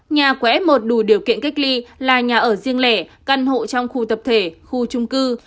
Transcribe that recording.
nhà quẽ một đủ điều kiện cách ly là nhà ở riêng lẻ căn hộ trong khu tập thể khu chung cư